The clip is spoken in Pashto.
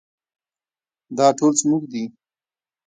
دا ټول زموږ دي